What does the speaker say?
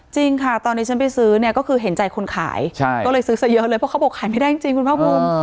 จริงค่ะตอนที่ฉันไปซื้อเนี่ยก็คือเห็นใจคนขายก็เลยซื้อซะเยอะเลยเพราะเขาบอกขายไม่ได้จริงคุณภาคภูมิ